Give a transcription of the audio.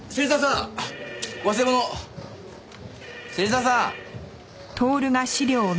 芹沢さん！